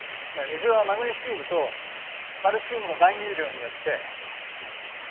水はマグネシウムとカルシウムの含有量によって。